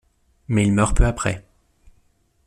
Mais il meurt peu après.